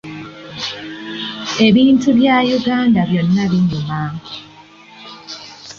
Ebintu bya Uganda byonna binyuma.